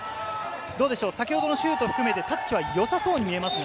先ほどのシュート含めてタッチはよさそうに見えますが。